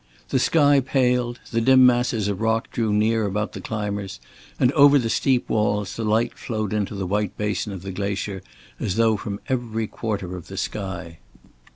The sky paled, the dim masses of rock drew near about the climbers, and over the steep walls, the light flowed into the white basin of the glacier as though from every quarter of the sky.